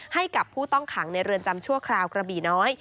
ให้กับผู้ต้องขังในเรือนจำชั่วคราวกระบี่น้อย